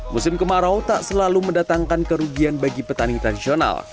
musim kemarau tak selalu mendatangkan kerugian bagi petani tradisional